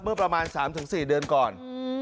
เมื่อประมาณ๓๔เดือนก่อน